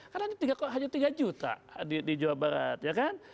karena ini hanya tiga juta di jawa barat ya kan